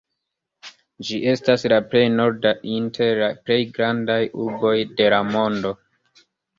Ĝi estas la plej norda inter la plej grandaj urboj de la mondo.